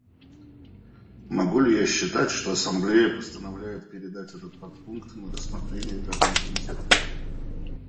Могу ли я считать, что Ассамблея постановляет передать этот подпункт на рассмотрение Пятому комитету?